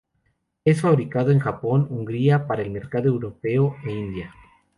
Es fabricado en Japón, Hungría para el mercado europeo e India.